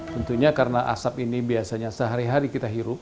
tentunya karena asap ini biasanya sehari hari kita hirup